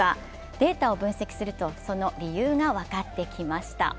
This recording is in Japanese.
データを分析するとその理由が分かってきました。